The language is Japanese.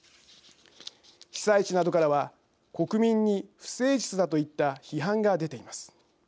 被災地などからは国民に不誠実だといった批判が出ています。